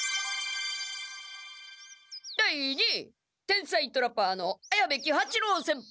天才トラパーの綾部喜八郎先輩」！